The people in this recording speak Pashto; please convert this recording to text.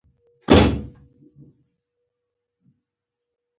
د سېلابونو دومره لوی توپیر د غزل روانۍ ته تاوان نه دی رسولی.